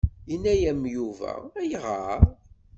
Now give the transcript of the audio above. Yenna-yam Yuba ayɣer?